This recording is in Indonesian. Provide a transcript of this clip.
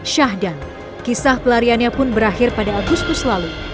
syahdan kisah pelariannya pun berakhir pada agustus lalu